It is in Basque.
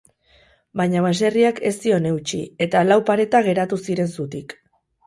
Baina baserriak ez zion eutsi, eta lau pareta geratu ziren zutik.